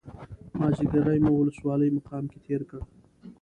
مازیګری مو ولسوالۍ مقام کې تېر کړ.